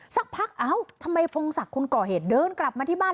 สักพักเอ้าทำไมพงศักดิ์คนก่อเหตุเดินกลับมาที่บ้าน